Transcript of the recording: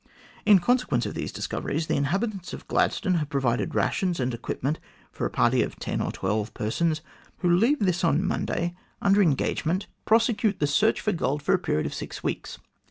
In con sequence of these discoveries, the inhabitants of Gladstone have provided rations and equipment for a party of ten or twelve persons, who leave this on Monday under engagement to pro THE CORRESPONDENCE OF SIR MAURICE O'CONNELL 147 secute the search for gold for a period of six weeks.